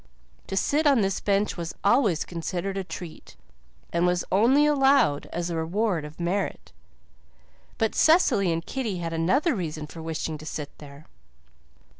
To sit on this bench was always considered a treat, and was only allowed as a reward of merit; but Cecily and Kitty had another reason for wishing to sit there.